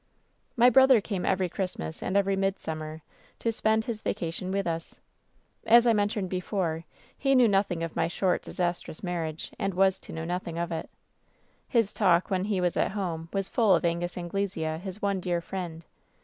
"My brother came every Christmas and every mid summer to spend his vacation with us. As I mentioned before, he knew nothing of my short, disastrous mar riage, and was to know nothing of it "His talk, when he was at home, was full of Angus An^esea, his one dear friend.